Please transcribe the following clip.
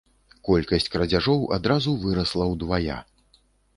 Колькасць крадзяжоў адразу вырасла ўдвая.